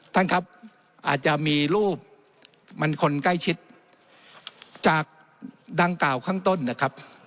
ท่านครับอาจจะมีรูปมันคนใกล้ชิดจากดังกล่าวข้างต้นนะครับ